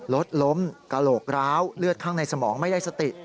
รถล้มกระโหลกร้าวเลือดข้างในสมองไม่ได้สติ